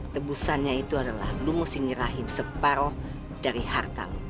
tebusannya itu adalah lu mesti nyerahin separoh dari harta lu